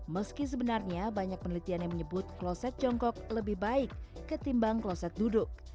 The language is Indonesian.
meski sebenarnya banyak penelitian yang menyebut kloset jongkok lebih baik ketimbang kloset duduk